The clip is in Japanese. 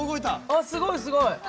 あっすごいすごい。